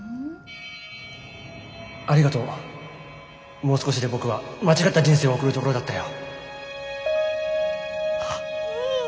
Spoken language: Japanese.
「もう少しで僕は間違った人生を送るところだったよ」。